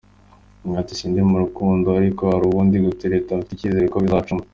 Yagize ati "Sindi mu rukundo ariko hari uwo ndi gutereta, mfite icyizere ko bizacamo.